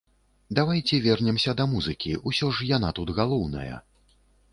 Давайце вернемся да музыкі, ўсё ж яна тут галоўная.